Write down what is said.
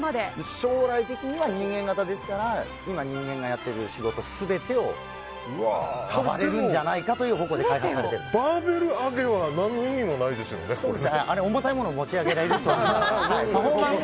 将来的には人間型ですから今、人間がやっている仕事の全て任せられるんじゃないかというバーベル上げは重たいものを持ち上げられるという。